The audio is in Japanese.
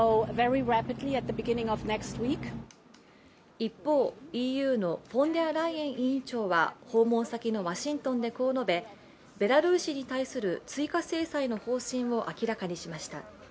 一方、ＥＵのフォンデアライエン委員長は訪問先のワシントンでこう述べベラルーシに対する追加制裁の方針を明らかにしました。